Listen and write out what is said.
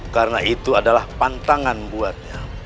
karena itu adalah pantangan buatnya